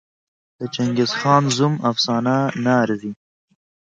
د چنګېزخان زوم افسانه نه ارزي.